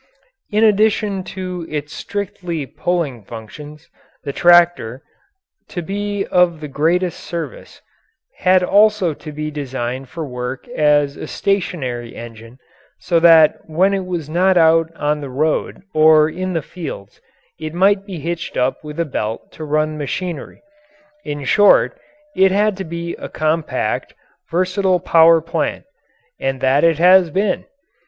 In addition to its strictly pulling functions, the tractor, to be of the greatest service, had also to be designed for work as a stationary engine so that when it was not out on the road or in the fields it might be hitched up with a belt to run machinery. In short, it had to be a compact, versatile power plant. And that it has been.